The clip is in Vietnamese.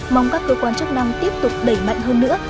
mong các cơ quan chức năng tiếp tục đẩy mạnh hơn nữa